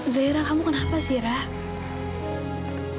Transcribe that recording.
zaira kamu kenapa sih rah